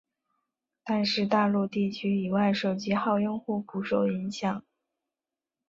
但是大陆地区以外手机号用户不受影响。